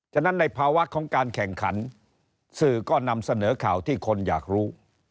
ฉะนั้นในภาวะของการแข่งขันสื่อก็นำเสนอข่าวที่คนอยากรู้